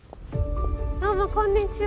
どうもこんにちは。